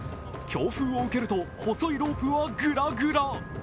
強風を受けると細いロープはぐらぐら。